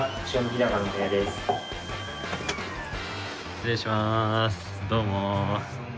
失礼しますどうも。